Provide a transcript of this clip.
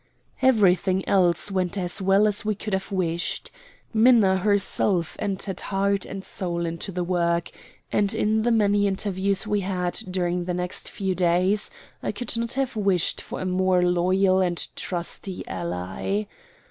Everything else went as well as we could have wished. Minna herself entered heart and soul into the work, and in the many interviews we had during the next few days I could not have wished for a more loyal and trusty ally.